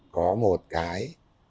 có một cái